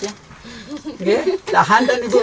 saya tidak tahu apa yang terjadi